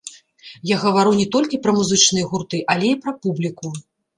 Я гавару не толькі пра музычныя гурты, але і пра публіку.